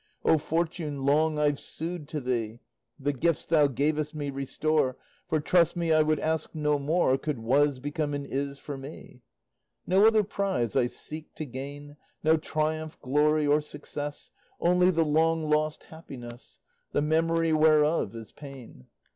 O Fortune, long I've sued to thee; The gifts thou gavest me restore, For, trust me, I would ask no more, Could 'was' become an 'is' for me. No other prize I seek to gain, No triumph, glory, or success, Only the long lost happiness, The memory whereof is pain.